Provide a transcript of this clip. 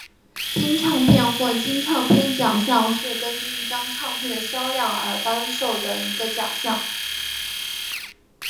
金唱片或金唱片奖项是根据一张唱片的销量而颁授的一个奖项。